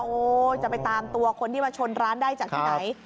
โอ้จะไปตามตัวคนที่มาชนร้านได้จากที่ไหน